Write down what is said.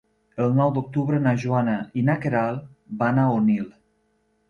El nou d'octubre na Joana i na Queralt van a Onil.